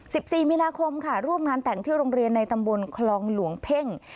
สิบสี่มีนาคมค่ะร่วมงานแต่งที่โรงเรียนในตำบลคลองหลวงเพ่ง